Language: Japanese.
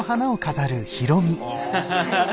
ハハハッ！